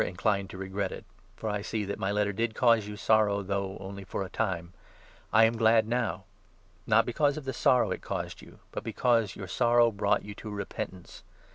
inclined to regret it — for I see that fny letter did cause you sorrow though only for a time — I am glad now ; not because 9 of the sorrow it caused you, but because your sorrow brought you to repentance.